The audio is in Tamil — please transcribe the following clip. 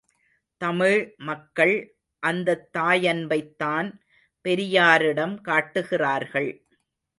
தமிழ் மக்கள் அந்தத் தாயன்பைத்தான் பெரியாரிடம் காட்டுகிறார்கள்.